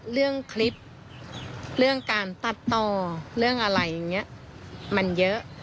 เรื่องคลิปเรื่องการตัดต่อเรื่องอะไรอย่างนี้มันเยอะ